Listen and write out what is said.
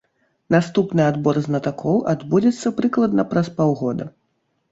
Наступны адбор знатакоў адбудзецца прыкладна праз паўгода.